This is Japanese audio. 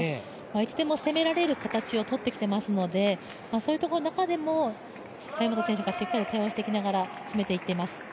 いつでも攻められる形をとってきていますので、そういうところの中でも張本選手がしっかり対応しながら詰めていってます。